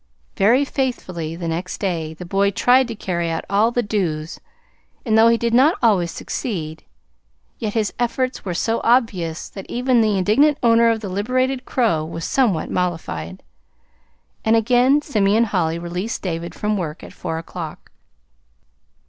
Very faithfully, the next day, the boy tried to carry out all the "dos," and though he did not always succeed, yet his efforts were so obvious, that even the indignant owner of the liberated crow was somewhat mollified; and again Simeon Holly released David from work at four o'clock.